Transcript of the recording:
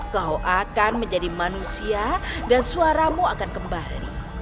kau akan menjadi manusia dan suaramu akan kembali